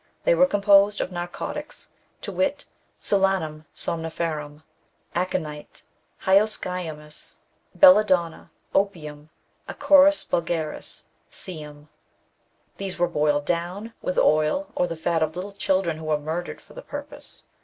They were composed of narcotics, to wit, Solanum somniferum, aconite, hyoscyamus, belladonna, opium, acorus vulgaris^ num. These were boiled down with oil, or the fat of little children who were murdered for the purpose.